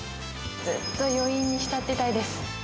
ずっと余韻に浸ってたいです。